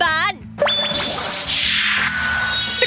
ประเด็นประจำบาน